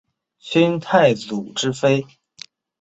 清太祖之妃。